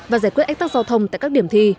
và giải quyết ách tắc giao thông tại các điểm thi